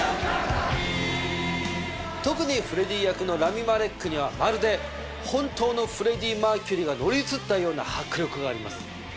特にフレディ役のラミ・マレックにはまるで本当のフレディ・マーキュリーが乗り移ったような迫力があります。